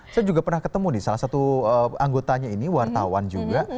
saya juga pernah ketemu nih salah satu anggotanya ini wartawan juga